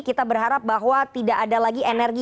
kita berharap bahwa tidak ada lagi energi